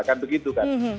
kan begitu kan